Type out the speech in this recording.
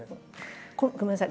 ごめんなさい。